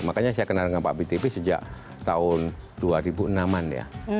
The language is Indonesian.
makanya saya kenal dengan pak btp sejak tahun dua ribu enam an ya